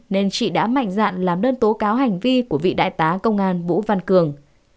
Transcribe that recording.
nên chị đã mạnh dạn làm đơn tố cáo hành vi của vị đại tá công an vũ văn cường